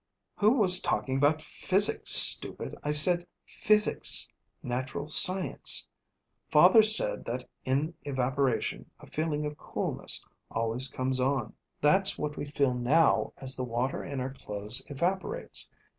"Who was talking about physic, stupid? I said physics natural science. Father said that in evaporation a feeling of coolness always comes on. That's what we feel now as the water in our clothes evaporates.